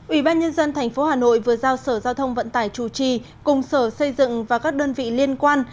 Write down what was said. ủy ban nhân dân tp hà nội vừa giao sở giao thông vận tải chủ trì cùng sở xây dựng và các đơn vị liên quan